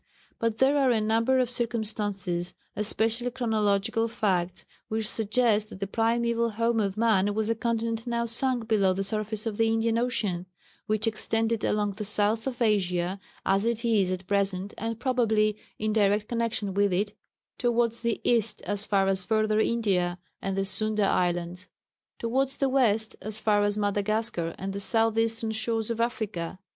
But there are a number of circumstances (especially chorological facts) which suggest that the primeval home of man was a continent now sunk below the surface of the Indian Ocean, which extended along the south of Asia, as it is at present (and probably in direct connection with it), towards the east, as far as Further India and the Sunda Islands; towards the west, as far as Madagascar and the south eastern shores of Africa.